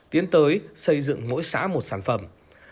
tiến tới xây dựng mỗi xã một sản phẩm